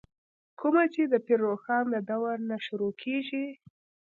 کومه چې دَپير روښان ددورنه شروع کيږې